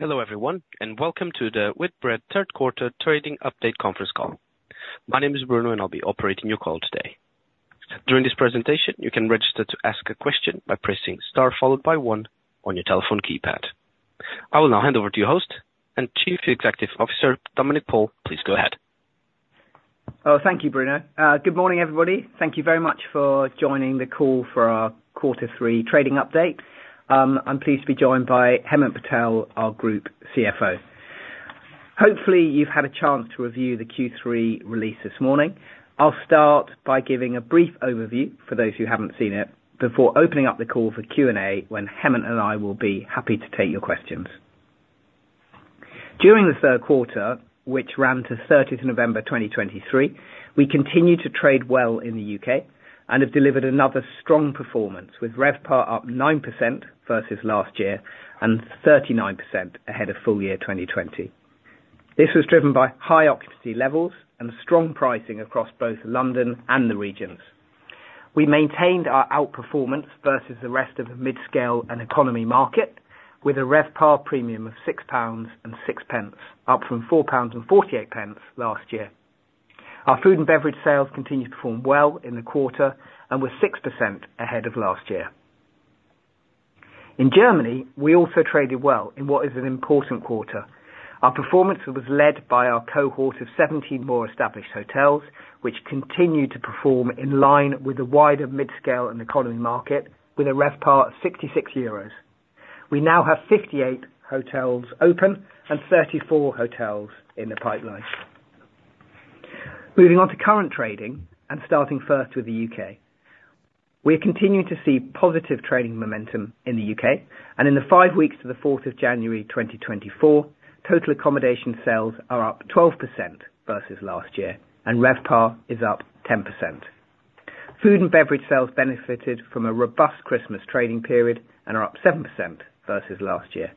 Hello, everyone, and welcome to the Whitbread Q3 Trading Update Conference Call. My name is Bruno, and I'll be operating your call today. During this presentation, you can register to ask a question by pressing star followed by one on your telephone keypad. I will now hand over to your host and Chief Executive Officer, Dominic Paul. Please go ahead. Oh, thank you, Bruno. Good morning, everybody. Thank you very much for joining the call for our Quarter Three trading update. I'm pleased to be joined by Hemant Patel, our Group CFO. Hopefully, you've had a chance to review the Q3 release this morning. I'll start by giving a brief overview for those who haven't seen it, before opening up the call for Q&A, when Hemant and I will be happy to take your questions. During the Q3, which ran to 30th November 2023, we continued to trade well in the U.K. and have delivered another strong performance, with RevPAR up 9% versus last year and 39% ahead of full year 2020. This was driven by high occupancy levels and strong pricing across both London and the regions. We maintained our outperformance versus the rest of the mid-scale and economy market, with a RevPAR premium of 6.06 pounds, up from 4.48 pounds last year. Our food and beverage sales continued to perform well in the quarter and were 6% ahead of last year. In Germany, we also traded well in what is an important quarter. Our performance was led by our cohort of 17 more established hotels, which continued to perform in line with the wider mid-scale and economy market, with a RevPAR of 66 euros. We now have 58 hotels open and 34 hotels in the pipeline. Moving on to current trading and starting first with the U.K. We're continuing to see positive trading momentum in the U.K., and in the five weeks to the 4th of January, 2024, total accommodation sales are up 12% versus last year, and RevPAR is up 10%. Food and beverage sales benefited from a robust Christmas trading period and are up 7% versus last year.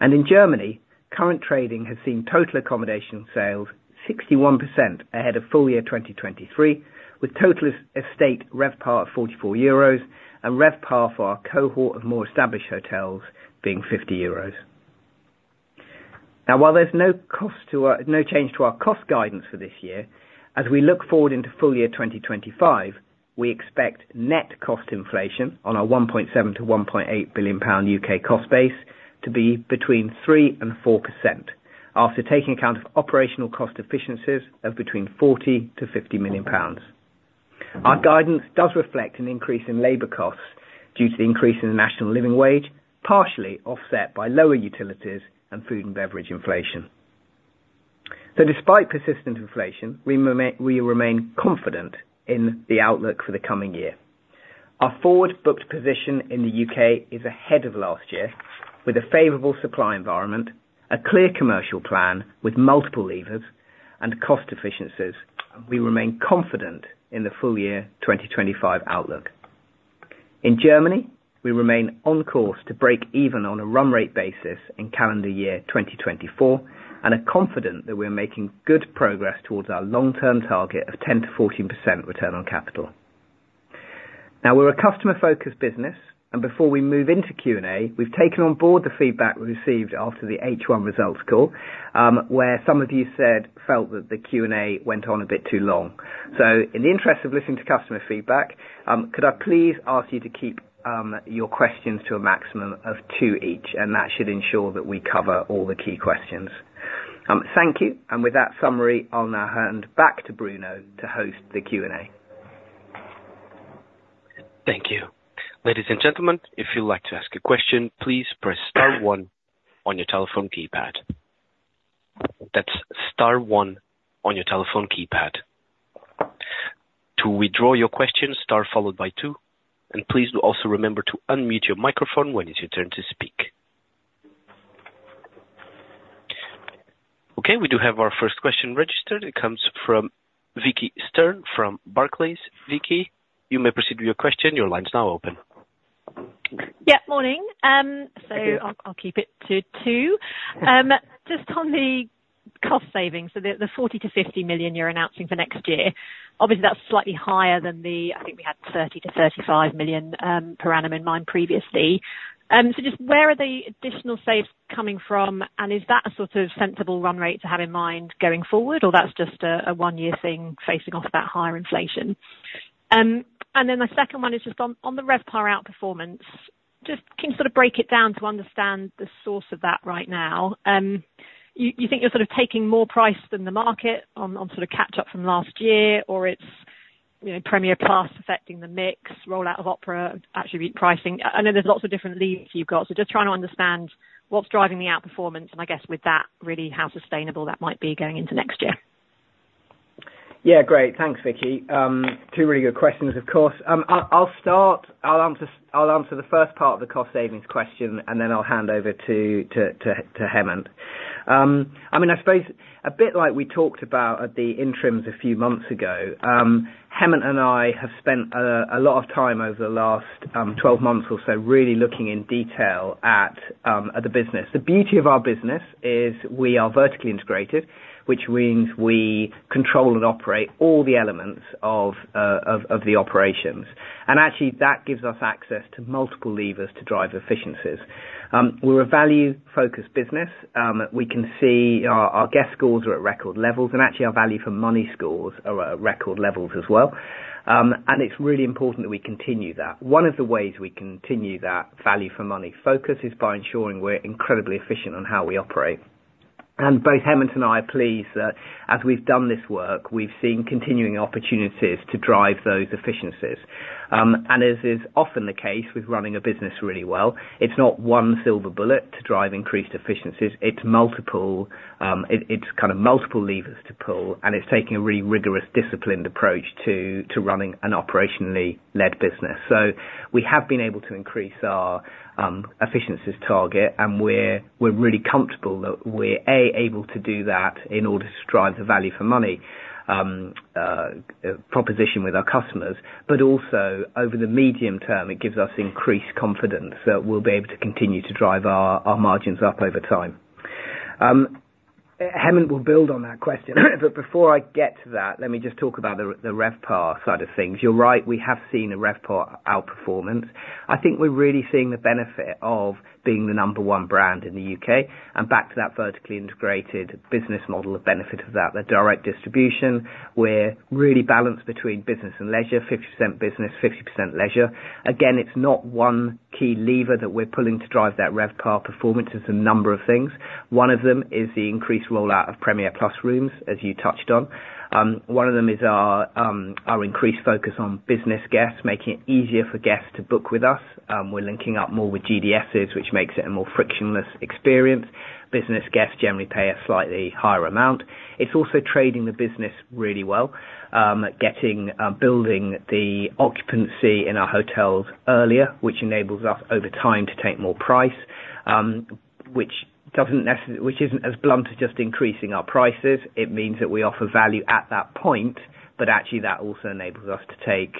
In Germany, current trading has seen total accommodation sales 61% ahead of full year 2023, with total estate RevPAR at 44 euros and RevPAR for our cohort of more established hotels being 50 euros. Now, while there's no change to our cost guidance for this year, as we look forward into full year 2025, we expect net cost inflation on our 1.7 billion to 1.8 billion pound U.K. cost base to be between 3% and 4%, after taking account of operational cost efficiencies of between 40 million to 50 million. Our guidance does reflect an increase in labor costs due to the increase in the National Living Wage, partially offset by lower utilities and food and beverage inflation. So despite persistent inflation, we remain confident in the outlook for the coming year. Our forward booked position in the U.K. is ahead of last year, with a favorable supply environment, a clear commercial plan with multiple levers and cost efficiencies, and we remain confident in the full year 2025 outlook. In Germany, we remain on course to break even on a run rate basis in calendar year 2024, and are confident that we're making good progress towards our long-term target of 10% to 14% return on capital. Now, we're a customer-focused business, and before we move into Q&A, we've taken on board the feedback we received after the H1 results call, where some of you said, felt that the Q&A went on a bit too long. So in the interest of listening to customer feedback, could I please ask you to keep your questions to a maximum of two each, and that should ensure that we cover all the key questions. Thank you, and with that summary, I'll now hand back to Bruno to host the Q&A. Thank you. Ladies and gentlemen, if you'd like to ask a question, please press star one on your telephone keypad. That's star one on your telephone keypad. To withdraw your question, star followed by two, and please do also remember to unmute your microphone when it's your turn to speak. Okay, we do have our first question registered. It comes from Vicki Stern, from Barclays. Vicki, you may proceed with your question. Your line's now open. Yeah, morning. Good day. I'll keep it to two. Just on the cost savings, so the 40 million to 50 million you're announcing for next year, obviously, that's slightly higher than the, I think we had 30 million to 35 million per annum in mind previously. So just where are the additional saves coming from? And is that a sort of sensible run rate to have in mind going forward, or that's just a one-year thing facing off that higher inflation? And then the second one is just on the RevPAR outperformance, just can you sort of break it down to understand the source of that right now? You think you're sort of taking more price than the market on sort of catch up from last year, or it's, you know, Premier Plus affecting the mix, rollout of Opera, attribute pricing? I know there's lots of different leads you've got, so just trying to understand what's driving the outperformance, and I guess with that, really, how sustainable that might be going into next year. Yeah, great. Thanks, Vicki. Two really good questions, of course. I'll start. I'll answer the first part of the cost savings question, and then I'll hand over to Hemant. I mean, I suppose a bit like we talked about at the interims a few months ago, Hemant and I have spent a lot of time over the last 12 months or so, really looking in detail at the business. The beauty of our business is we are vertically integrated, which means we control and operate all the elements of the operations. And actually, that gives us access to multiple levers to drive efficiencies. We're a value-focused business. We can see our guest scores are at record levels, and actually our value for money scores are at record levels as well. It's really important that we continue that. One of the ways we continue that value for money focus is by ensuring we're incredibly efficient on how we operate. And both Hemant and I are pleased that as we've done this work, we've seen continuing opportunities to drive those efficiencies. And as is often the case with running a business really well, it's not one silver bullet to drive increased efficiencies, it's multiple, it's kind of multiple levers to pull, and it's taking a really rigorous, disciplined approach to running an operationally led business. So we have been able to increase our efficiencies target, and we're really comfortable that we're able to do that in order to drive the value for money proposition with our customers. But also, over the medium term, it gives us increased confidence that we'll be able to continue to drive our margins up over time. Hemant will build on that question. But before I get to that, let me just talk about the RevPAR side of things. You're right, we have seen a RevPAR outperformance. I think we're really seeing the benefit of being the number one brand in the U.K., and back to that vertically integrated business model, the benefit of that, the direct distribution. We're really balanced between business and leisure, 50% business, 50% leisure. Again, it's not one key lever that we're pulling to drive that RevPAR performance, it's a number of things. One of them is the increased rollout of Premier Plus rooms, as you touched on. One of them is our increased focus on business guests, making it easier for guests to book with us. We're linking up more with GDSs, which makes it a more frictionless experience. Business guests generally pay a slightly higher amount. It's also trading the business really well. Building the occupancy in our hotels earlier, which enables us over time to take more price, which doesn't necessary, which isn't as blunt as just increasing our prices. It means that we offer value at that point, but actually that also enables us to take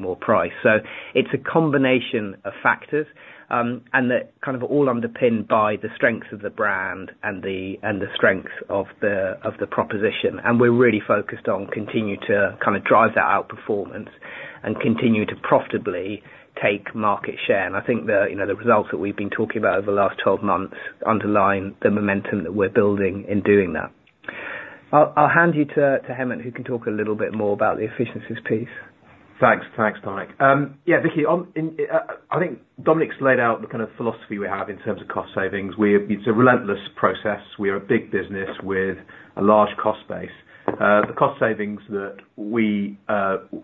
more price. So, it's a combination of factors, and they're kind of all underpinned by the strength of the brand and the strength of the proposition. We're really focused on continuing to kind of drive that outperformance, and continue to profitably take market share. I think the, you know, the results that we've been talking about over the last 12 months, underline the momentum that we're building in doing that. I'll hand you to Hemant, who can talk a little bit more about the efficiencies piece. Thanks. Thanks, Dominic. Yeah, Vicki, on, in, I think Dominic's laid out the kind of philosophy we have in terms of cost savings. We're, it's a relentless process. We are a big business with a large cost base. The cost savings that we,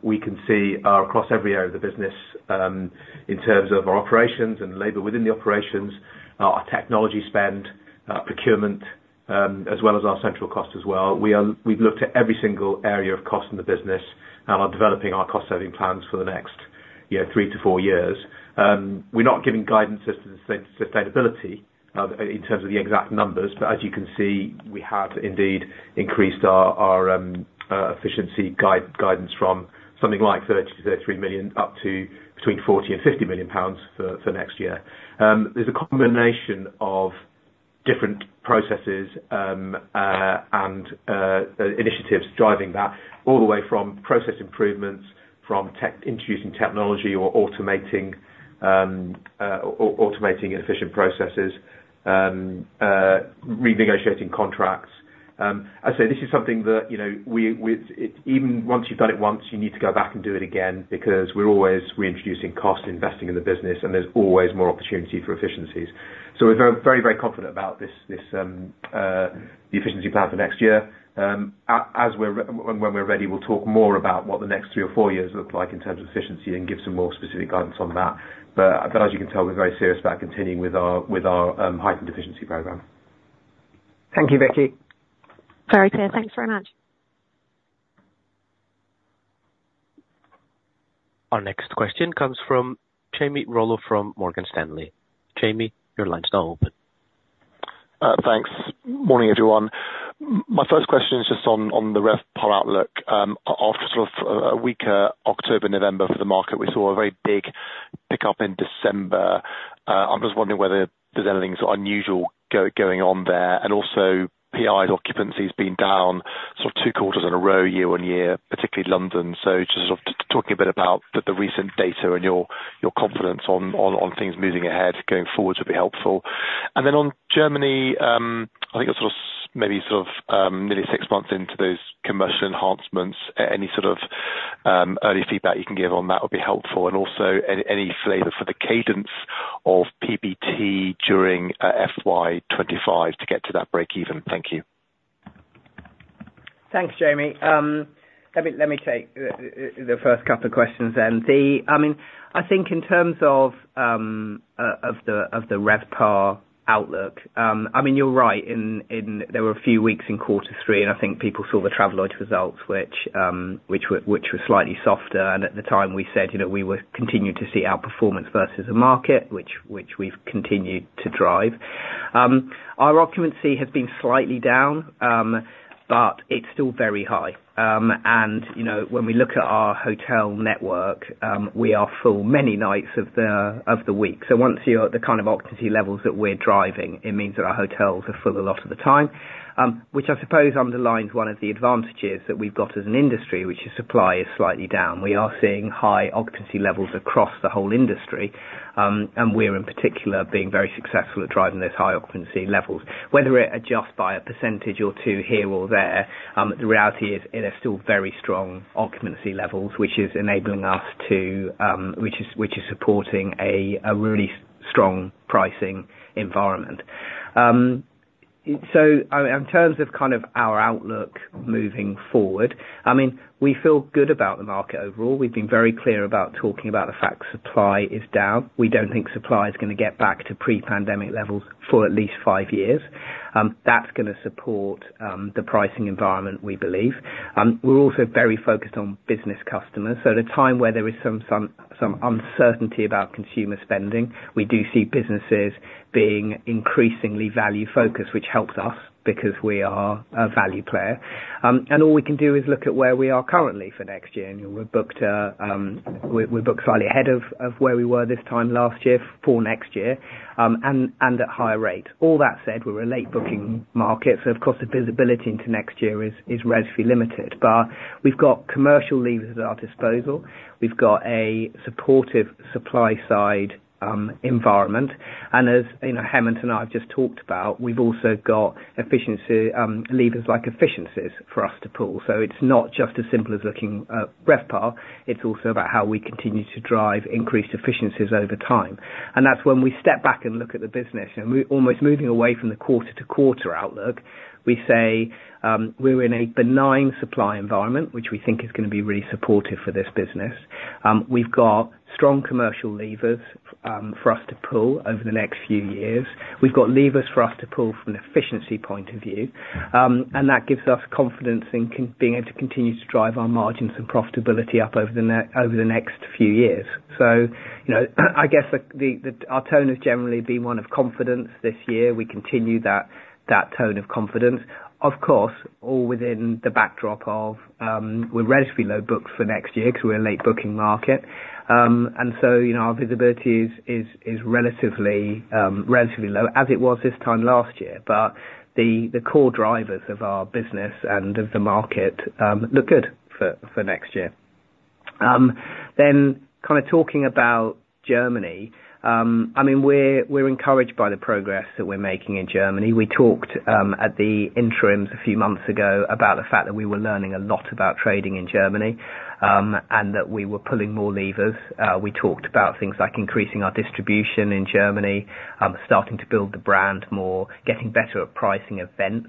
we can see are across every area of the business, in terms of our operations and labor within the operations, our technology spend, procurement, as well as our central cost as well. We are, we've looked at every single area of cost in the business, and are developing our cost saving plans for the next, you know, three to four years. We're not giving guidance as to the sustainability, in terms of the exact numbers, but as you can see, we have indeed increased our efficiency guidance from something like 30 million to 33 million, up to between 40 million and 50 million pounds for next year. There's a combination of different processes, and initiatives driving that, all the way from process improvements, from introducing technology or automating efficient processes, renegotiating contracts. I'd say this is something that, you know, we, it, even once you've done it once, you need to go back and do it again, because we're always reintroducing cost investing in the business, and there's always more opportunity for efficiencies. So we're very, very, very confident about this, the efficiency plan for next year. When we're ready, we'll talk more about what the next three or four years look like in terms of efficiency, and give some more specific guidance on that. But as you can tell, we're very serious about continuing with our heightened efficiency program. Thank you, Vicki. Very clear. Thanks very much. Our next question comes from Jamie Rollo from Morgan Stanley. Jamie, your line's now open. Thanks. Morning, everyone. My first question is just on the RevPAR outlook. After sort of a weaker October, November for the market, we saw a very big pickup in December. I'm just wondering whether there's anything sort of unusual going on there? And also, PI occupancy's been down sort of two quarters in a row, year-on-year, particularly London. So just sort of talking a bit about the recent data and your confidence on things moving ahead going forward, would be helpful. And then on Germany, I think it's nearly six months into those commercial enhancements, any sort of early feedback you can give on that would be helpful. And also, any flavor for the cadence of PBT during FY 2025 to get to that break even? Thank you. Thanks, Jamie. Let me take the first couple of questions then. I mean, I think in terms of the RevPAR outlook, I mean, you're right, in there were a few weeks in quarter three, and I think people saw the Travelodge results, which were slightly softer, and at the time, we said, you know, we would continue to see outperformance versus the market, which we've continued to drive. Our occupancy has been slightly down, but it's still very high. You know, when we look at our hotel network, we are full many nights of the week. So once you're at the kind of occupancy levels that we're driving, it means that our hotels are full a lot of the time. Which I suppose underlines one of the advantages that we've got as an industry, which is supply is slightly down. We are seeing high occupancy levels across the whole industry, and we're in particular, being very successful at driving those high occupancy levels. Whether it adjusts by a percentage or two here or there, the reality is, it is still very strong occupancy levels, which is enabling us to. Which is supporting a really strong pricing environment. So, in terms of kind of our outlook moving forward, I mean, we feel good about the market overall. We've been very clear about talking about the fact supply is down. We don't think supply is gonna get back to pre-pandemic levels for at least five years. That's gonna support the pricing environment, we believe. We're also very focused on business customers. At a time where there is some uncertainty about consumer spending, we do see businesses being increasingly value-focused, which helps us, because we are a value player. All we can do is look at where we are currently for next year, and we're booked slightly ahead of where we were this time last year for next year at higher rates. All that said, we're a late booking market, so of course, the visibility into next year is relatively limited. But we've got commercial levers at our disposal. We've got a supportive supply side environment, and as you know, Hemant and I have just talked about, we've also got efficiency levers like efficiencies for us to pull. So it's not just as simple as looking at RevPAR, it's also about how we continue to drive increased efficiencies over time. And that's when we step back and look at the business, and we're almost moving away from the quarter to quarter outlook, we say, we're in a benign supply environment, which we think is gonna be really supportive for this business. We've got strong commercial levers for us to pull over the next few years. We've got levers for us to pull from an efficiency point of view. And that gives us confidence in being able to continue to drive our margins and profitability up over the next few years. So, you know, I guess our tone has generally been one of confidence this year. We continue that tone of confidence. Of course, all within the backdrop of, we're relatively low booked for next year, because we're a late booking market. And so, you know, our visibility is relatively low as it was this time last year. But the core drivers of our business and of the market look good for next year. Then kind of talking about Germany, I mean, we're encouraged by the progress that we're making in Germany. We talked at the interims a few months ago about the fact that we were learning a lot about trading in Germany and that we were pulling more levers. We talked about things like increasing our distribution in Germany, starting to build the brand more, getting better at pricing events.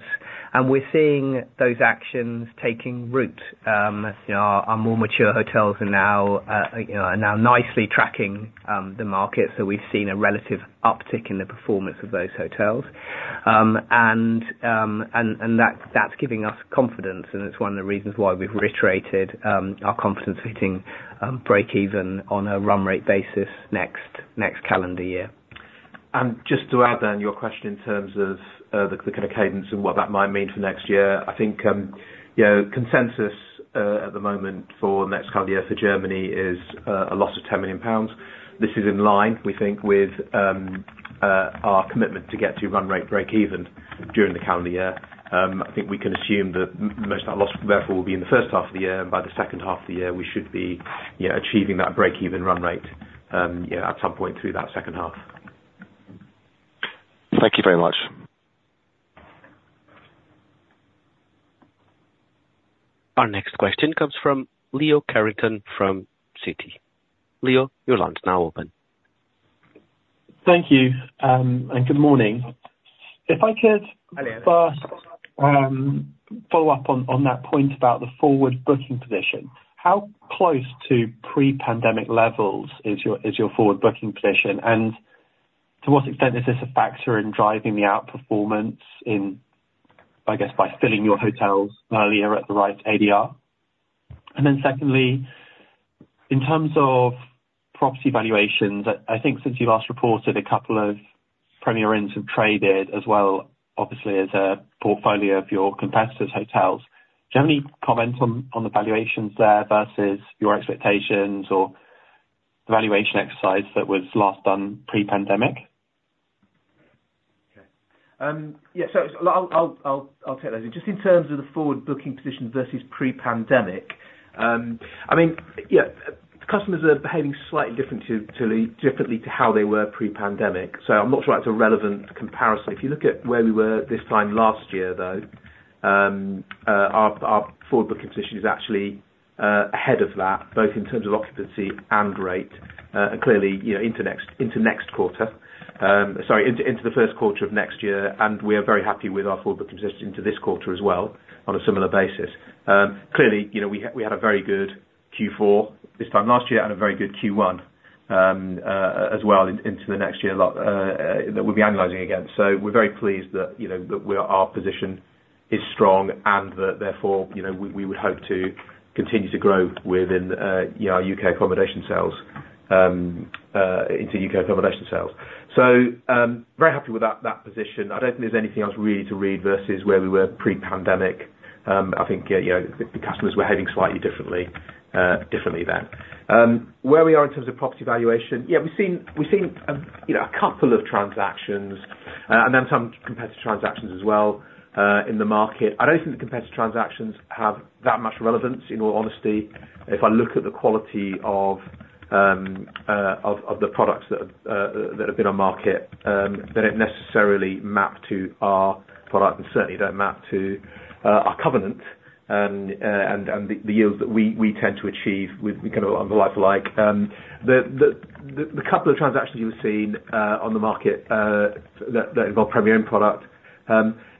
And we're seeing those actions taking root. As you know, our more mature hotels are now, you know, are now nicely tracking the market, so we've seen a relative uptick in the performance of those hotels. And that's giving us confidence, and it's one of the reasons why we've reiterated our confidence hitting breakeven on a run rate basis next, next calendar year. Just to add then, your question in terms of the kind of cadence and what that might mean for next year, I think you know, consensus at the moment for next calendar year for Germany is a loss of 10 million pounds. This is in line, we think, with our commitment to get to run rate breakeven during the calendar year. I think we can assume that most of that loss therefore will be in the first half of the year, and by the second half of the year, we should be you know, achieving that breakeven run rate you know, at some point through that second half. Thank you very much. Our next question comes from Leo Carrington from Citi. Leo, your line's now open. Thank you, and good morning. If I could- Hi, Leo. First, follow up on, on that point about the forward booking position. How close to pre-pandemic levels is your, is your forward booking position? And to what extent is this a factor in driving the outperformance in, I guess, by filling your hotels earlier at the right ADR? And then secondly, in terms of property valuations, I, I think since you last reported, a couple of Premier Inns have traded as well, obviously, as a portfolio of your competitors' hotels. Do you have any comments on, on the valuations there versus your expectations or the valuation exercise that was last done pre-pandemic? Okay. Yeah, so I'll take that. Just in terms of the forward booking position versus pre-pandemic, I mean, yeah, customers are behaving slightly differently to how they were pre-pandemic, so I'm not sure that's a relevant comparison. If you look at where we were this time last year, though, our forward booking position is actually ahead of that, both in terms of occupancy and rate, and clearly, you know, into the Q1 of next year, and we are very happy with our forward booking position into this quarter as well, on a similar basis. Clearly, you know, we had, we had a very good Q4 this time last year and a very good Q1 as well into the next year that we'll be analyzing again. So we're very pleased that, you know, that we are, our position is strong, and that therefore, you know, we, we would hope to continue to grow within, you know, our UK accommodation sales into UK accommodation sales. So, very happy with that, that position. I don't think there's anything else really to read versus where we were pre-pandemic. I think, you know, the customers were behaving slightly differently, differently then. Where we are in terms of property valuation, yeah, we've seen, we've seen, you know, a couple of transactions and then some competitive transactions as well in the market. I don't think the competitive transactions have that much relevance, in all honesty. If I look at the quality of the products that have been on market, they don't necessarily map to our products, and certainly don't map to our covenant. And the yield that we tend to achieve with kind of on the likes of the couple of transactions you've seen on the market that involve Premier product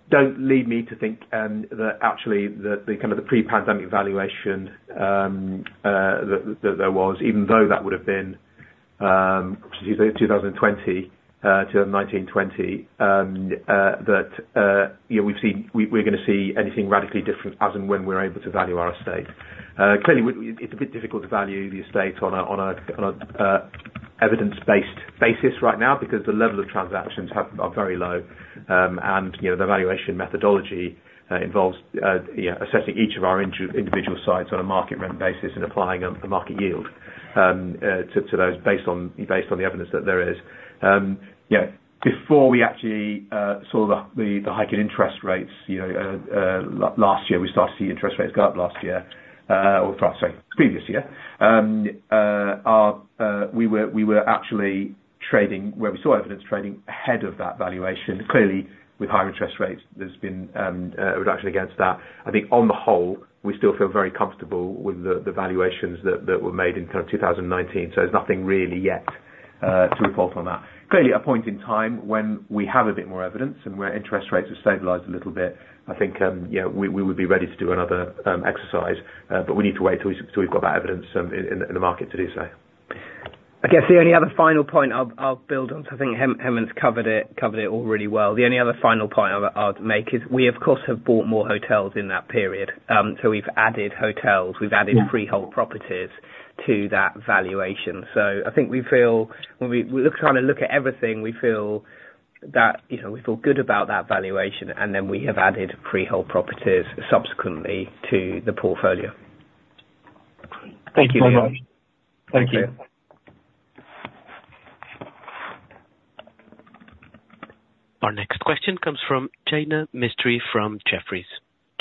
don't lead me to think that actually the kind of the pre-pandemic valuation that there was, even though that would've been since 2020 to 2019, that yeah, we've seen, we're gonna see anything radically different as and when we're able to value our estate. Clearly, it's a bit difficult to value the estate on a evidence-based basis right now, because the level of transactions is very low. And, you know, the valuation methodology involves assessing each of our individual sites on a market rent basis, and applying them for market yield to those based on the evidence that there is. Yeah, before we actually saw the hike in interest rates, you know, last year, we started to see interest rates go up last year, or sorry, the previous year. We were actually trading where we saw evidence trading ahead of that valuation. Clearly, with higher interest rates, there's been a reduction against that. I think on the whole, we still feel very comfortable with the valuations that were made in kind of 2019, so there's nothing really yet to report on that. Clearly, a point in time when we have a bit more evidence and where interest rates have stabilized a little bit, I think, yeah, we would be ready to do another exercise, but we need to wait till we've got that evidence in the market to do so. I guess the only other final point I'll build on, so I think Hemant's covered it all really well. The only other final point I'd make is we, of course, have bought more hotels in that period. So we've added hotels, we've added Yeah freehold properties to that valuation. So I think we feel when we, we look, kind of, look at everything, we feel that, you know, we feel good about that valuation, and then we have added freehold properties subsequently to the portfolio. Thank you very much. Thank you. Our next question comes from Jaina Mistry from Jefferies.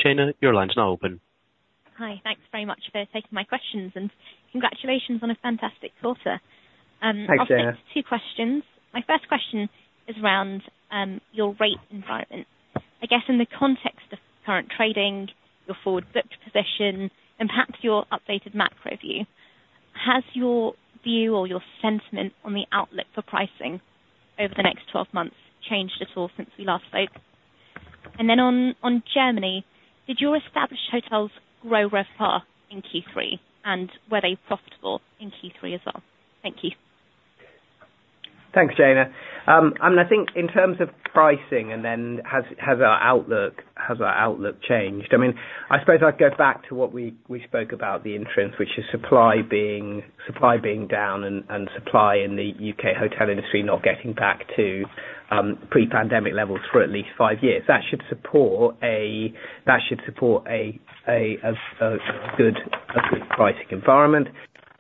Jaina, your line's now open. Hi, thanks very much for taking my questions, and congratulations on a fantastic quarter. Thanks, Jaina. I'll ask two questions. My first question is around your rate environment. I guess in the context of current trading, your forward booked position, and perhaps your updated macro view, has your view or your sentiment on the outlook for pricing over the next 12 months changed at all since we last spoke? And then on Germany, did your established hotels grow RevPAR in Q3, and were they profitable in Q3 as well? Thank you. Thanks, Jaina. And I think in terms of pricing, and then has our outlook changed? I mean, I suppose I'd go back to what we spoke about the entrance, which is supply being down and supply in the U.K. hotel industry not getting back to pre-pandemic levels for at least five years. That should support a good pricing environment,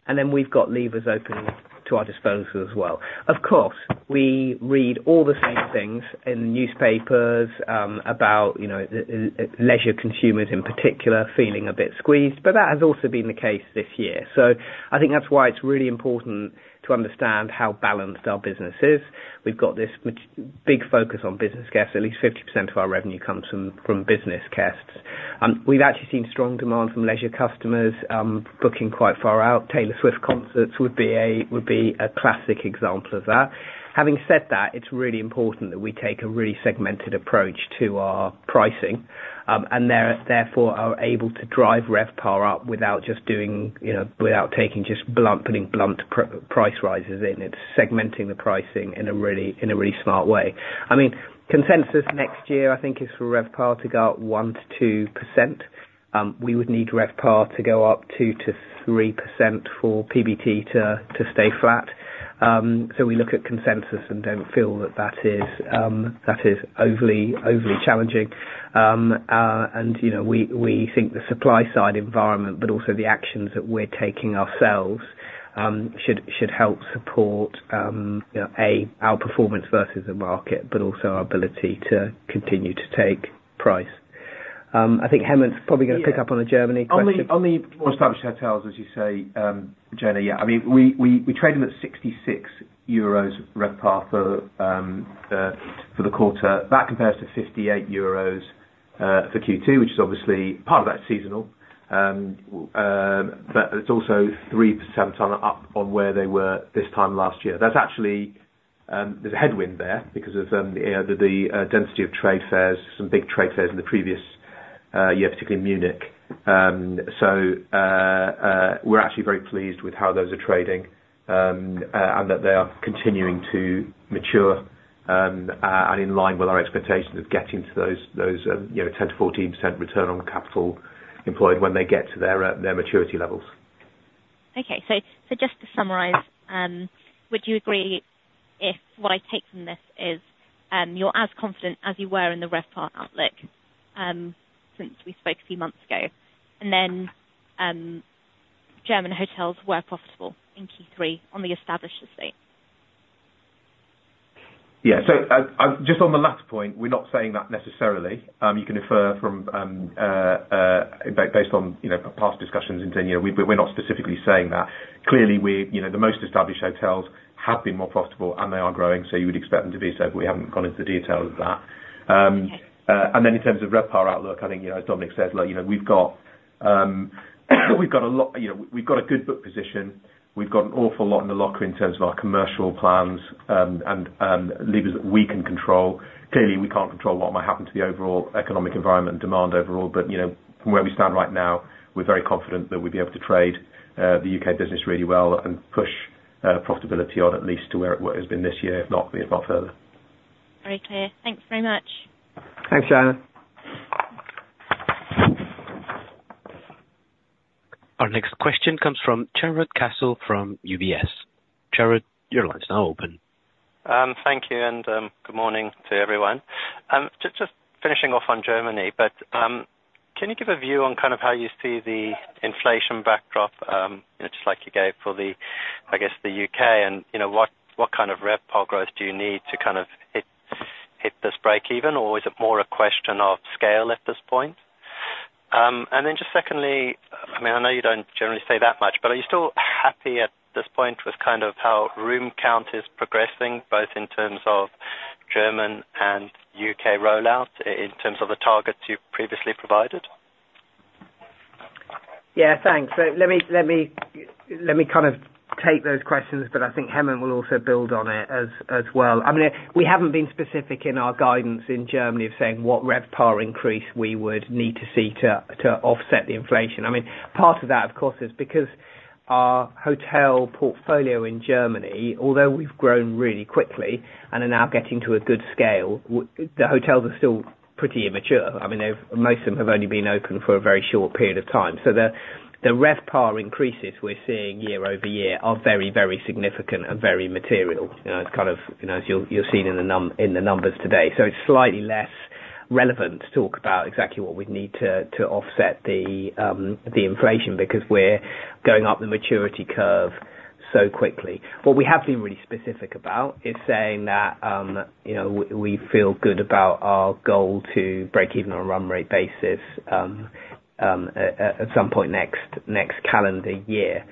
and then we've got levers open to our disposal as well. Of course, we read all the same things in newspapers about, you know, the leisure consumers in particular feeling a bit squeezed, but that has also been the case this year. So I think that's why it's really important to understand how balanced our business is. We've got this big focus on business guests, at least 50% of our revenue comes from business guests. We've actually seen strong demand from leisure customers booking quite far out. Taylor Swift concerts would be a classic example of that. Having said that, it's really important that we take a really segmented approach to our pricing and therefore are able to drive RevPAR up without just doing, you know, without taking just blunt price rises in. It's segmenting the pricing in a really smart way. I mean, consensus next year, I think is for RevPAR to go up 1% to 2%. We would need RevPAR to go up 2% to 3% for PBT to stay flat. So we look at consensus and don't feel that that is overly challenging. You know, we think the supply side environment, but also the actions that we're taking ourselves, should help support you know, our performance versus the market, but also our ability to continue to take price. I think Hemant's probably gonna pick up on the Germany question. On the more established hotels, as you say, Jaina, yeah. I mean, we traded them at 66 euros RevPAR for the quarter. That compares to 58 euros for Q2, which is obviously part of that is seasonal. But it's also 3% up on where they were this time last year. That's actually, there's a headwind there, because of, you know, the density of trade fairs, some big trade fairs in the previous year, particularly Munich. So, we're actually very pleased with how those are trading, and that they are continuing to mature and in line with our expectations of getting to those, you know, 10% to 14% return on capital employed when they get to their maturity levels. Okay. So just to summarize, would you agree if what I take from this is you're as confident as you were in the RevPAR outlook since we spoke a few months ago, and then German hotels were profitable in Q3 on the established estate? Yeah. So I just on the last point, we're not saying that necessarily. You can infer from based on, you know, past discussions in 10 year. We're not specifically saying that. Clearly, you know, the most established hotels have been more profitable, and they are growing, so you would expect them to be so, but we haven't gone into the details of that. And then in terms of RevPAR outlook, I think, you know, as Dominic said, like, you know, we've got a good book position. We've got an awful lot in the locker in terms of our commercial plans and levers that we can control. Clearly, we can't control what might happen to the overall economic environment and demand overall, but you know, from where we stand right now, we're very confident that we'll be able to trade the UK business really well and push profitability on at least to where it has been this year, if not further. Very clear. Thanks very much. Thanks, Jaina. Our next question comes from Jarrod Castle from UBS. Jarrod, your line's now open. Thank you, and good morning to everyone. Just finishing off on Germany, but can you give a view on kind of how you see the inflation backdrop? You know, just like you gave for the, I guess, the U.K. and, you know, what kind of RevPAR growth do you need to kind of hit this breakeven? Or is it more a question of scale at this point? And then just secondly, I mean, I know you don't generally say that much, but are you still happy at this point with kind of how room count is progressing, both in terms of German and U.K. rollout, in terms of the targets you've previously provided? Yeah, thanks. So let me, let me, let me kind of take those questions, but I think Hemant will also build on it as well. I mean, we haven't been specific in our guidance in Germany of saying what RevPAR increase we would need to see to offset the inflation. I mean, part of that, of course, is because our hotel portfolio in Germany, although we've grown really quickly and are now getting to a good scale, the hotels are still pretty immature. I mean, they've. Most of them have only been open for a very short period of time. So the RevPAR increases we're seeing year-over-year are very, very significant and very material. You know, it's kind of, you know, as you're seeing in the numbers today. So it's slightly less relevant to talk about exactly what we'd need to offset the inflation, because we're going up the maturity curve so quickly. What we have been really specific about is saying that, you know, we feel good about our goal to break even on a run rate basis at some point next calendar year.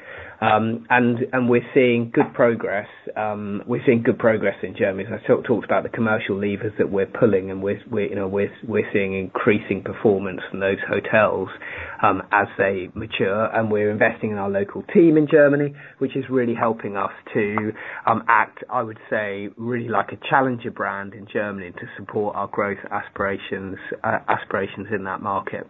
And we're seeing good progress. We're seeing good progress in Germany. So I talked about the commercial levers that we're pulling, and we're, you know, we're seeing increasing performance from those hotels as they mature. And we're investing in our local team in Germany, which is really helping us to act, I would say, really like a challenger brand in Germany to support our growth aspirations in that market.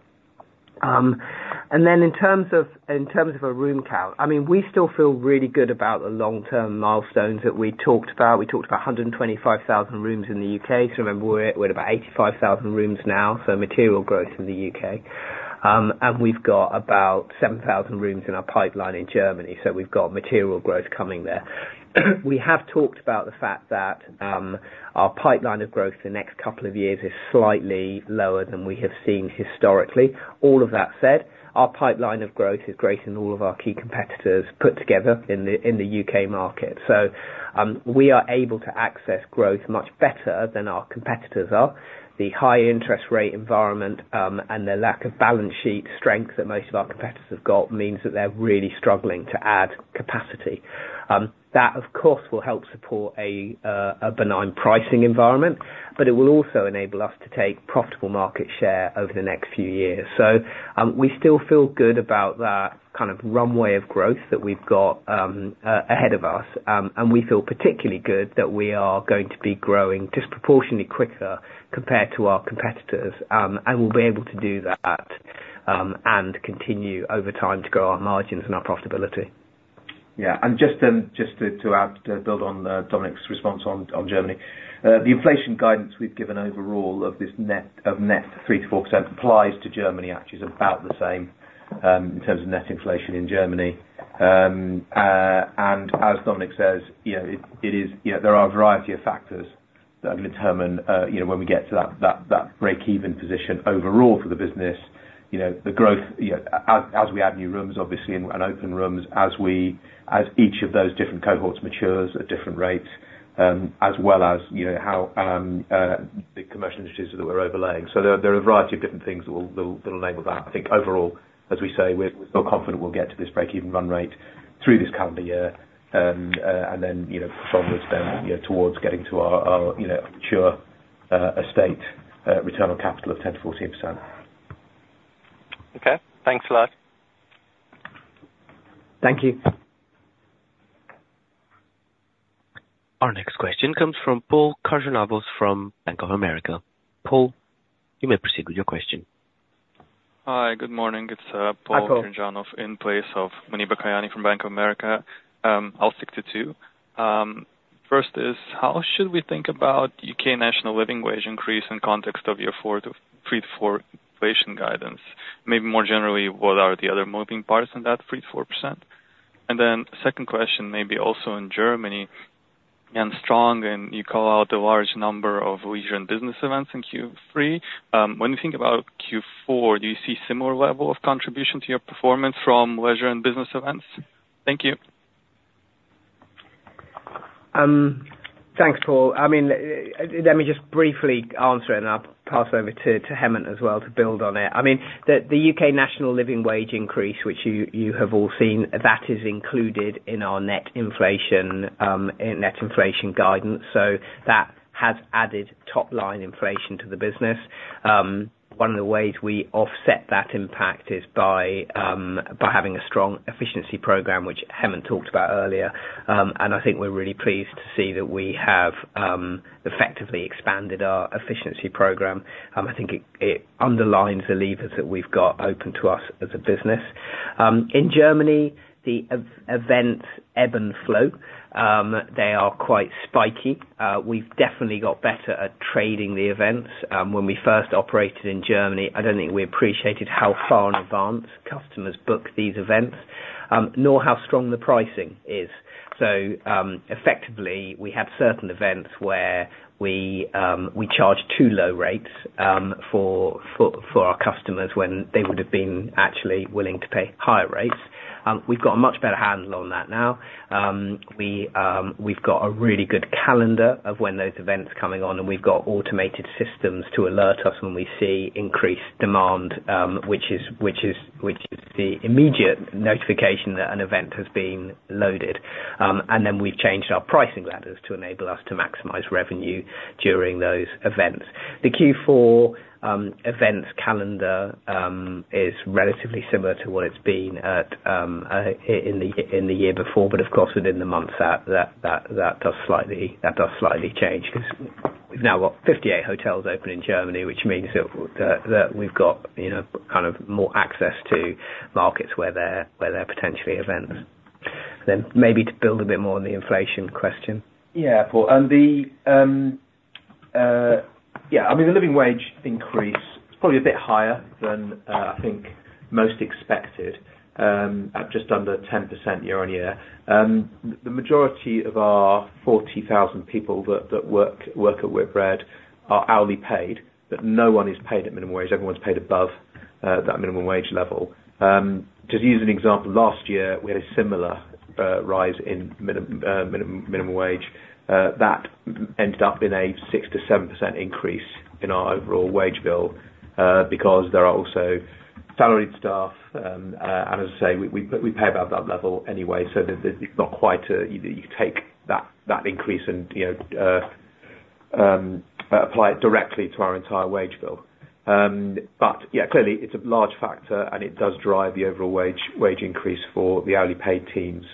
And then in terms of, in terms of a room count, I mean, we still feel really good about the long-term milestones that we talked about. We talked about 125,000 rooms in the U.K. So remember, we're at, we're at about 85,000 rooms now, so material growth in the U.K. And we've got about 7,000 rooms in our pipeline in Germany, so we've got material growth coming there. We have talked about the fact that, our pipeline of growth for the next couple of years is slightly lower than we have seen historically. All of that said, our pipeline of growth is greater than all of our key competitors put together in the, in the U.K. market. So, we are able to access growth much better than our competitors are. The high interest rate environment, and the lack of balance sheet strength that most of our competitors have got, means that they're really struggling to add capacity. That, of course, will help support a benign pricing environment, but it will also enable us to take profitable market share over the next few years. So, we still feel good about that kind of runway of growth that we've got, ahead of us. And we feel particularly good that we are going to be growing disproportionately quicker compared to our competitors, and will be able to do that, and continue over time to grow our margins and our profitability. Yeah, and just to add, to build on, Dominic's response on Germany. The inflation guidance we've given overall of this net, of net 3% to 4% applies to Germany, actually is about the same, in terms of net inflation in Germany. And as Dominic says, you know, it is. You know, there are a variety of factors that determine, you know, when we get to that breakeven position overall for the business. You know, the growth, you know, as we add new rooms, obviously, and open rooms, as each of those different cohorts matures at different rates, as well as, you know, how the commercial initiatives that we're overlaying. So there are a variety of different things that will enable that. I think overall, as we say, we're still confident we'll get to this break even run rate through this calendar year. And then, you know, from there, you know, towards getting to our, you know, mature estate return on capital of 10% to 14%. Okay, thanks a lot. Thank you. Our next question comes from Paul Sheridan from Bank of America. Paul, you may proceed with your question. Hi, good morning. It's Paul Sheridan Hi, Paul. in place of Muneeba Kayali from Bank of America. I'll stick to two. First is: How should we think about U.K. National Living Wage increase in context of your 3% to 4% inflation guidance? Maybe more generally, what are the other moving parts in that 3% to 4%? And then second question, maybe also in Germany, and strong, and you call out a large number of leisure and business events in Q3. When you think about Q4, do you see similar level of contribution to your performance from leisure and business events? Thank you. Thanks, Paul. I mean, let me just briefly answer, and I'll pass over to Hemant as well to build on it. I mean, the UK National Living Wage increase, which you have all seen, that is included in our net inflation, in net inflation guidance, so that has added top-line inflation to the business. One of the ways we offset that impact is by having a strong efficiency program, which Hemant talked about earlier. And I think we're really pleased to see that we have effectively expanded our efficiency program. I think it underlines the levers that we've got open to us as a business. In Germany, the events ebb and flow. They are quite spiky. We've definitely got better at trading the events. When we first operated in Germany, I don't think we appreciated how far in advance customers book these events, nor how strong the pricing is. So, effectively, we had certain events where we charged too low rates for our customers when they would have been actually willing to pay higher rates. We've got a much better handle on that now. We've got a really good calendar of when those events are coming on, and we've got automated systems to alert us when we see increased demand, which is the immediate notification that an event has been loaded. And then we've changed our pricing ladders to enable us to maximize revenue during those events. The Q4 events calendar is relatively similar to what it's been at in the year before, but of course, within the months that does slightly change, 'cause we've now got 58 hotels open in Germany, which means that we've got, you know, kind of more access to markets where there are potentially events. And then maybe to build a bit more on the inflation question. Yeah, Paul. Yeah, I mean, the living wage increase is probably a bit higher than I think most expected, at just under 10% year-on-year. The majority of our 40,000 people that work at Whitbread are hourly paid, but no one is paid at minimum wage. Everyone's paid above that minimum wage level. Just use an example, last year, we had a similar rise in minimum wage that ended up in a 6% to 7% increase in our overall wage bill, because there are also salaried staff, and as I say, we pay above that level anyway, so that, the, it's not quite you take that increase and, you know, apply it directly to our entire wage bill. But yeah, clearly, it's a large factor, and it does drive the overall wage increase for the hourly paid teams.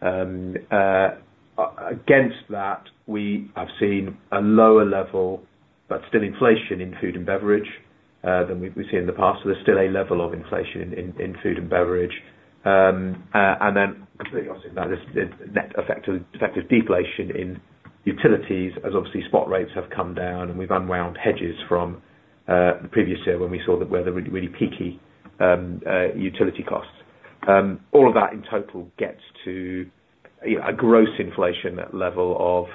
Against that, we have seen a lower level, but still inflation in food and beverage than we've seen in the past. So there's still a level of inflation in food and beverage. And then, obviously, now there's net effective deflation in utilities, as obviously spot rates have come down, and we've unwound hedges from the previous year when we saw where the really peaky utility costs. All of that in total gets to, you know, a gross inflation level of,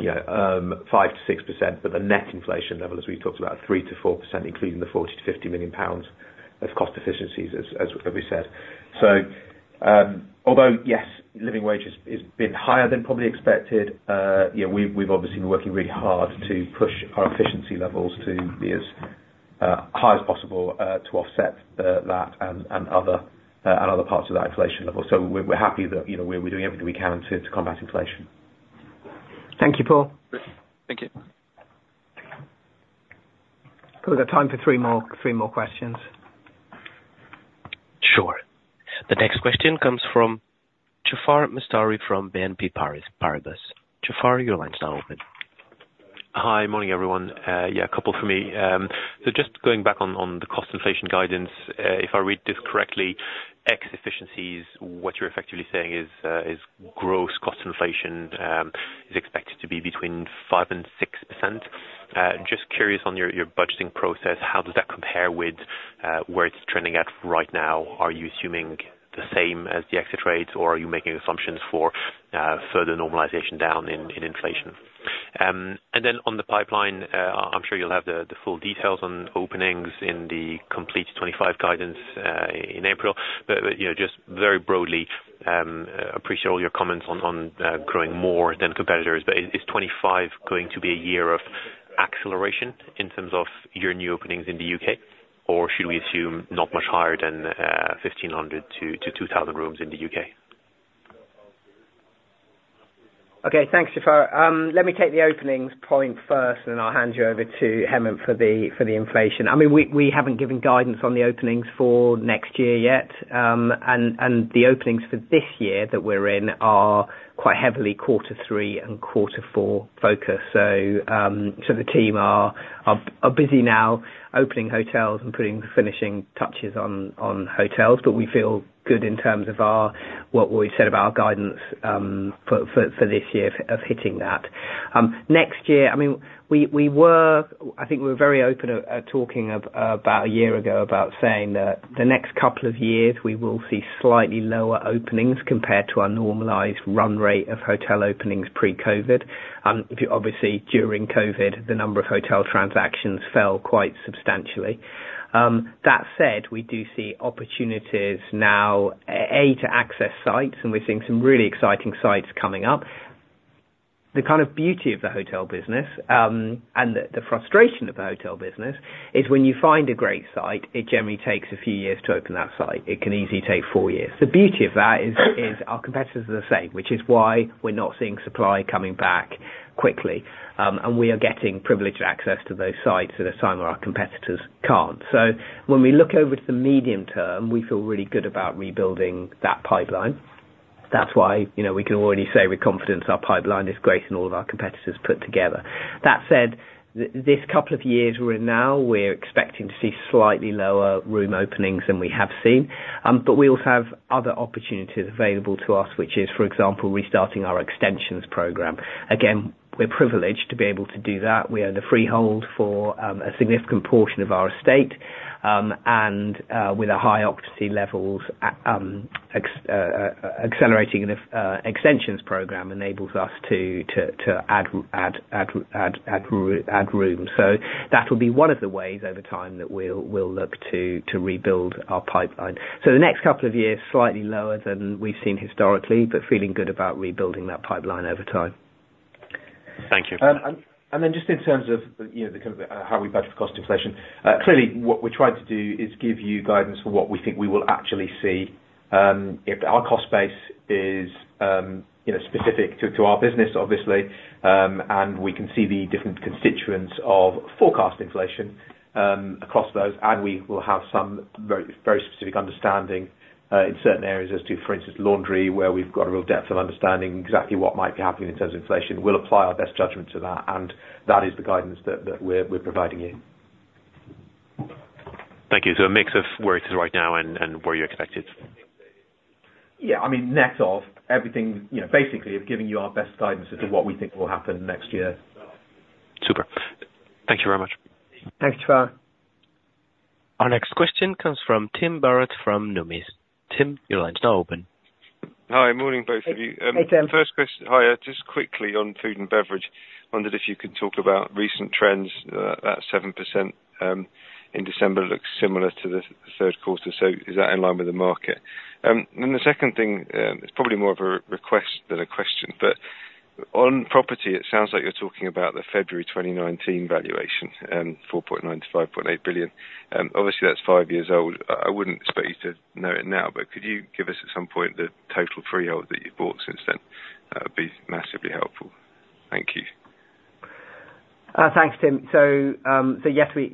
you know, 5% to 6%, but the net inflation level, as we talked about, 3% to 4%, including the 40 million to 50 million of cost efficiencies, as we said. So, although, yes, living wage has been higher than probably expected, you know, we've obviously been working really hard to push our efficiency levels to be as high as possible, to offset that and other parts of that inflation level. So we're happy that, you know, we're doing everything we can to combat inflation. Thank you, Paul. Thank you. We've got time for three more, three more questions. Sure. The next question comes from Jaafar Mestari from BNP Paribas. Jaafar, your line is now open. Hi, morning, everyone. Yeah, a couple for me. So just going back on, on the cost inflation guidance, if I read this correctly, X efficiencies, what you're effectively saying is, is gross cost inflation, is expected to be between 5% and 6%? Just curious on your, your budgeting process, how does that compare with, where it's trending at right now? Are you assuming the same as the exit rates, or are you making assumptions for, further normalization down in, in inflation? And then on the pipeline, I'm sure you'll have the, the full details on openings in the complete 25 guidance, in April, but, you know, just very broadly, appreciate all your comments on, on, growing more than competitors. But is 2025 going to be a year of acceleration in terms of your new openings in the UK? Or should we assume not much higher than 1,500-2,000 rooms in the UK? Okay, thanks, Jaafar. Let me take the openings point first, and then I'll hand you over to Hemant for the inflation. I mean, we haven't given guidance on the openings for next year yet. And the openings for this year that we're in are quite heavily quarter three and quarter four focused. So the team are busy now opening hotels and putting finishing touches on hotels, but we feel good in terms of our, what we've said about our guidance for this year of hitting that. Next year, I mean, we were, I think we were very open at talking about a year ago about saying that the next couple of years, we will see slightly lower openings compared to our normalized run rate of hotel openings pre-COVID. Obviously, during COVID, the number of hotel transactions fell quite substantially. That said, we do see opportunities now to access sites, and we're seeing some really exciting sites coming up. The kind of beauty of the hotel business, and the frustration of the hotel business, is when you find a great site, it generally takes a few years to open that site. It can easily take four years. The beauty of that is, our competitors are the same, which is why we're not seeing supply coming back quickly. And we are getting privileged access to those sites at a time where our competitors can't. So when we look over to the medium term, we feel really good about rebuilding that pipeline. That's why, you know, we can already say with confidence, our pipeline is greater than all of our competitors put together. That said, this couple of years we're in now, we're expecting to see slightly lower room openings than we have seen. But we also have other opportunities available to us, which is, for example, restarting our extensions program. Again, we're privileged to be able to do that. We own the freehold for a significant portion of our estate. And with our high occupancy levels, accelerating extensions program enables us to add rooms. So that'll be one of the ways over time that we'll look to rebuild our pipeline. So the next couple of years, slightly lower than we've seen historically, but feeling good about rebuilding that pipeline over time. Thank you. And then just in terms of, you know, the kind of how we budget for cost inflation. Clearly, what we tried to do is give you guidance for what we think we will actually see. If our cost base is, you know, specific to our business, obviously, and we can see the different constituents of forecast inflation across those, and we will have some very, very specific understanding in certain areas as to, for instance, laundry, where we've got a real depth of understanding exactly what might be happening in terms of inflation. We'll apply our best judgment to that, and that is the guidance that we're providing you. Thank you. So a mix of where it is right now and, and where you expect it? Yeah, I mean, net of everything, you know, basically of giving you our best guidance as to what we think will happen next year. Super. Thank you very much. Thanks, Jaafar. Our next question comes from Tim Barrett, from Numis. Tim, your line is now open. Hi. Morning, both of you. Hey, Tim. First, just quickly on food and beverage, wondered if you could talk about recent trends, about 7% in December, looks similar to the Q3, so is that in line with the market? Then the second thing, it's probably more of a request than a question, but on property, it sounds like you're talking about the February 2019 valuation, 4.9 billion to 5.8 billion. Obviously, that's five years old. I, I wouldn't expect you to know it now, but could you give us, at some point, the total freehold that you've bought since then? That would be massively helpful. Thank you. Thanks, Tim. So yes, we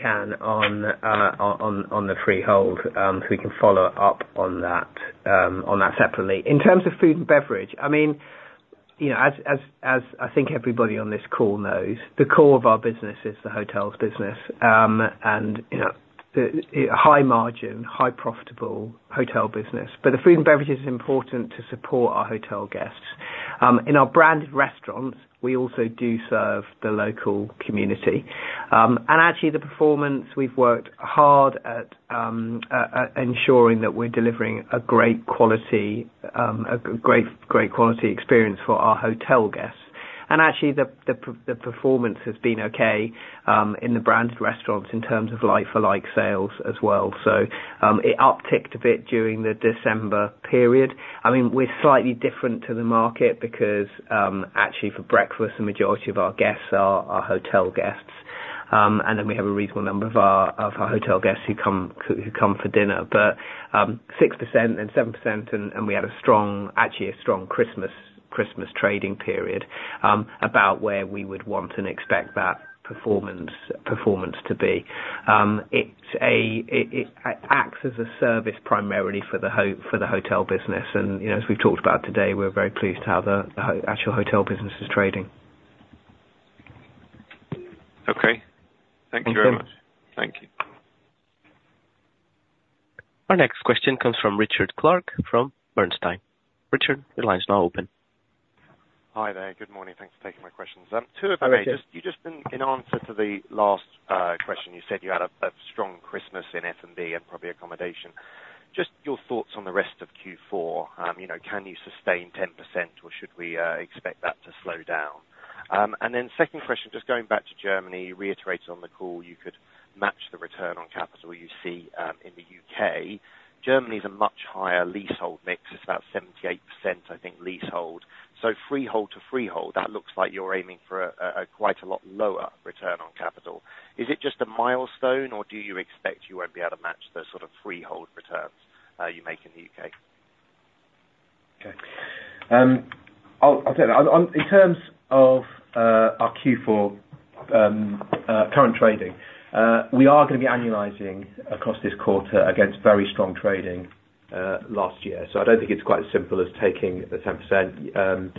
can on the freehold. So we can follow up on that separately. In terms of food and beverage, I mean, you know, as I think everybody on this call knows, the core of our business is the hotels business. And you know, the high margin, high profitable hotel business, but the food and beverage is important to support our hotel guests. In our branded restaurants, we also do serve the local community. And actually, the performance, we've worked hard at ensuring that we're delivering a great quality, a great quality experience for our hotel guests. And actually, the performance has been okay in the branded restaurants in terms of like-for-like sales as well. So, it upticked a bit during the December period. I mean, we're slightly different to the market because, actually for breakfast, the majority of our guests are our hotel guests. And then we have a reasonable number of our hotel guests who come for dinner. But, 6% and 7% and we had a strong, actually a strong Christmas trading period, about where we would want and expect that performance to be. It acts as a service primarily for the hotel business, and, you know, as we've talked about today, we're very pleased how the actual hotel business is trading. Okay. Thank you very much. Thank you. Thank you. Our next question comes from Richard Clarke, from Bernstein. Richard, your line is now open. Hi there. Good morning. Thanks for taking my questions. Two of them. Hi, Richard. Just in answer to the last question, you said you had a strong Christmas in F&B and probably accommodation. Just your thoughts on the rest of Q4. You know, can you sustain 10%, or should we expect that to slow down? And then second question, just going back to Germany, you reiterated on the call, you could match the return on capital you see in the U.K. Germany is a much higher leasehold mix. It's about 78%, I think, leasehold. So freehold to freehold, that looks like you're aiming for quite a lot lower return on capital. Is it just a milestone, or do you expect you won't be able to match the sort of freehold returns you make in the U.K.? Okay. I'll tell you, on in terms of our Q4 current trading, we are gonna be annualizing across this quarter against very strong trading last year. So I don't think it's quite as simple as taking the 10%.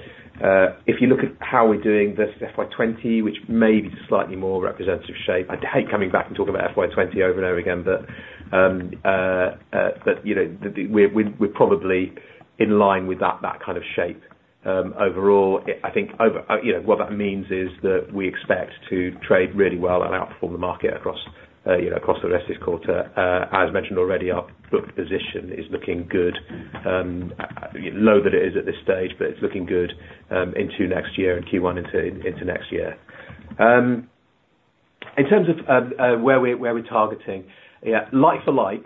If you look at how we're doing versus FY 2020, which may be slightly more representative shape, I hate coming back and talking about FY 2020 over and over again, but you know, we're probably in line with that kind of shape. Overall, I think over, you know, what that means is that we expect to trade really well and outperform the market across you know, across the rest of this quarter. As mentioned already, our booked position is looking good. Low though it is at this stage, but it's looking good into next year in Q1 into next year. In terms of where we're targeting, yeah, like for like,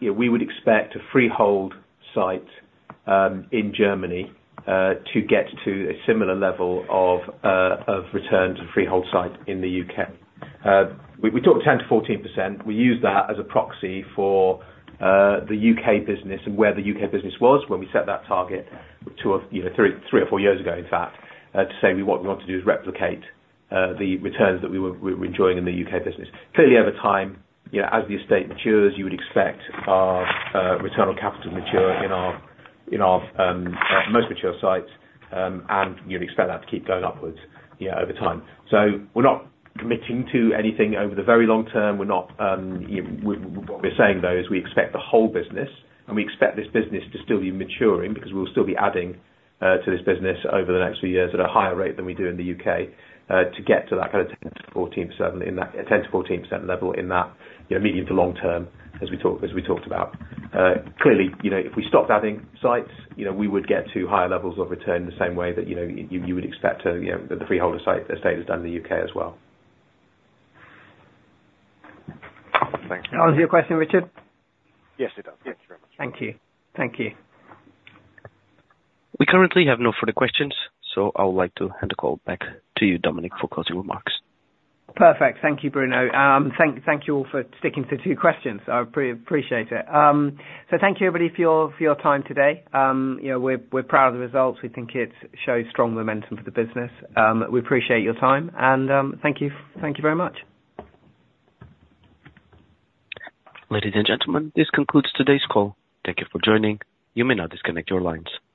yeah, we would expect a freehold site in Germany to get to a similar level of return to freehold site in the U.K. We talked 10%-14%. We use that as a proxy for the U.K. business and where the U.K. business was when we set that target two or, you know, three or four years ago, in fact, to say what we want to do is replicate the returns that we were enjoying in the U.K. business. Clearly, over time, you know, as the estate matures, you would expect our return on capital to mature in our most mature sites, and you'd expect that to keep going upwards, yeah, over time. So we're not committing to anything over the very long term. We're not what we're saying, though, is we expect the whole business, and we expect this business to still be maturing, because we'll still be adding to this business over the next few years at a higher rate than we do in the U.K. to get to that kind of 10% to 14%, in that 10% to 14% level in that, you know, medium to long term, as we talked, as we talked about. Clearly, you know, if we stopped adding sites, you know, we would get to higher levels of return the same way that, you know, you would expect to, you know, the freehold estate has done in the U.K. as well. Thanks. Answers your question, Richard? Yes, it does. Yes, very much. Thank you. Thank you. We currently have no further questions, so I would like to hand the call back to you, Dominic, for closing remarks. Perfect. Thank you, Bruno. Thank you all for sticking to your questions. I appreciate it. So thank you, everybody, for your time today. You know, we're proud of the results. We think it shows strong momentum for the business. We appreciate your time, and thank you very much. Ladies and gentlemen, this concludes today's call. Thank you for joining. You may now disconnect your lines. Thank you.